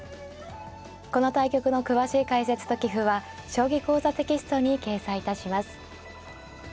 この対局の詳しい解説と棋譜は「将棋講座」テキストに掲載いたします。